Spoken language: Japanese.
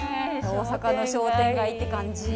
大阪の商店街って感じ。